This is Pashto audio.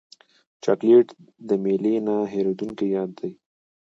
چاکلېټ د میلې نه هېرېدونکی یاد دی.